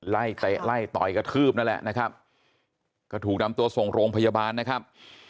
เตะไล่ต่อยกระทืบนั่นแหละนะครับก็ถูกนำตัวส่งโรงพยาบาลนะครับ